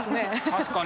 確かに。